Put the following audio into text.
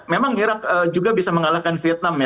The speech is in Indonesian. memang irak juga bisa mengalahkan vietnam ya